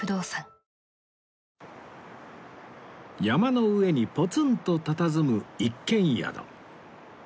山の上にポツンとたたずむ一軒宿